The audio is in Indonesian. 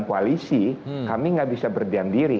koalisi kami nggak bisa berdiam diri